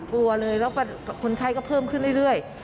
กลัวเลยแล้วคนไข้ก็เพิ่มขึ้นเรื่อย